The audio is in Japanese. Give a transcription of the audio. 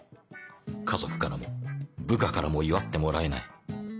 家族からも部下からも祝ってもらえない